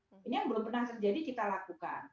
ini yang belum pernah terjadi kita lakukan